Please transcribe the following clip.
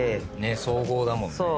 総合だもんね。